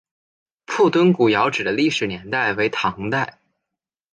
铺墩古窑址的历史年代为唐代。